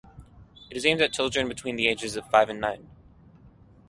It is aimed at children between the ages of five and nine.